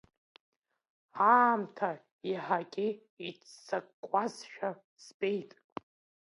Аамҭа иаҳагьы иццакуазшәа збеит.